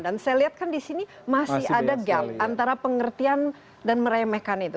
dan saya lihat kan di sini masih ada gap antara pengertian dan meremehkan itu